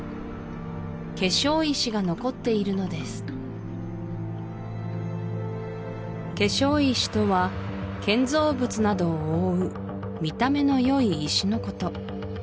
化粧石が残っているのです化粧石とは建造物などを覆う見た目のよい石のこと